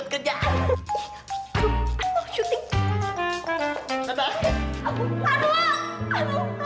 aduh aduh roti nesak kita